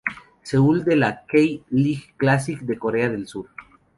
Seoul de la K League Classic de Corea del Sur.